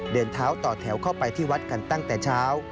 เดินเท้าต่อแถวเข้าไปที่วัดกันตั้งแต่เช้า